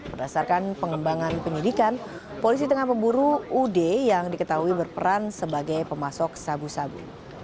berdasarkan pengembangan penyidikan polisi tengah memburu ud yang diketahui berperan sebagai pemasok sabu sabu